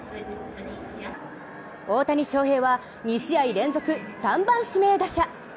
大谷翔平は、２試合連続３番指名打者。